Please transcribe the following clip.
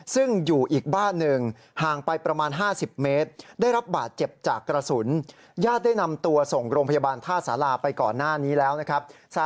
ซึ่งอยู่อีกบ้านหนึ่งห่างไปประมาณ๕๐เมตร